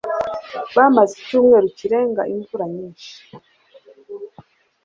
Bamaze icyumweru kirenga imvura nyinshi.